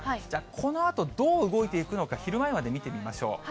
このあと、どう動いていくのか、昼前まで見てみましょう。